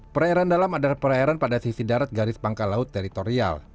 perairan dalam adalah perairan pada sisi darat garis pangkal laut teritorial